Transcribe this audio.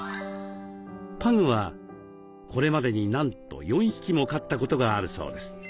パグはこれまでになんと４匹も飼ったことがあるそうです。